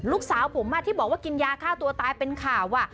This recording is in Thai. ลูกสาวผมที่บอกว่ากินยาฆ่าตัวตายเป็นข่าว